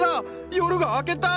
夜が明けた！